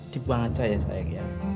dibuang aja ya sayang